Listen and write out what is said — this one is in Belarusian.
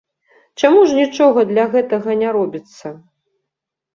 Чаму ж нічога для гэтага не робіцца?